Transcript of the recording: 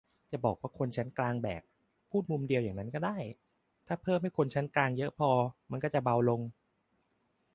จะบอกว่า "คนชั้นกลางแบก" พูดมุมเดียวอย่างนั้นก็ได้ แต่ถ้าเพิ่มให้คนชั้นกลางเยอะพอ มันก็จะเบาลง